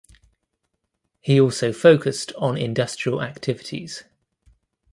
He also focused on industrial activities.